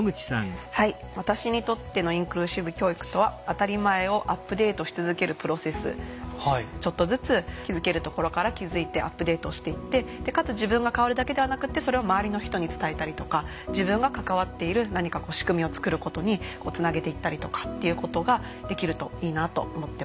私にとってのインクルーシブ教育とはちょっとずつ気付けるところから気付いてアップデートしていってかつ自分が変わるだけではなくてそれを周りの人に伝えたりとか自分が関わっている何かこう仕組みをつくることにつなげていったりとかっていうことができるといいなと思ってます。